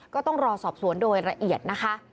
ก็ต้องรอสอบสวนโดยละเอียดนะคะ